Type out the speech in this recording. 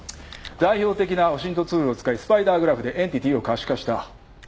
代表的なオシントツールを使いスパイダーグラフでエンティティを可視化した。